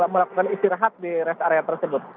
melakukan istirahat di rest area tersebut